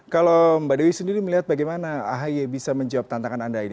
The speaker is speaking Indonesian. kalau mbak dewi sendiri melihat bagaimana ahy bisa menjawab tantangan anda ini